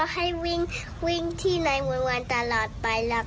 ให้วิ่งที่ไหนวันตลอดไป